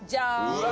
うわ！